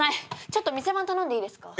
ちょっと店番頼んでいいですか？